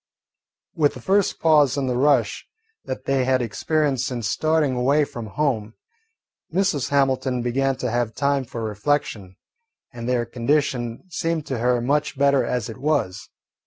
With the first pause in the rush that they had experienced since starting away from home, Mrs. Hamilton began to have time for reflection, and their condition seemed to her much better as it was.